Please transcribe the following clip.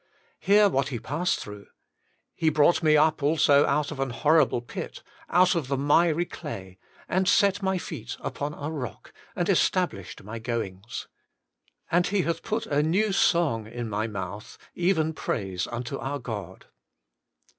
Hear what he passed through :* He brought me up also out of an horrible pit, out of the miry clay, and set my feet upon a rock, and established my goings. And He hath put a new song in my mouth, even praise unto our God.'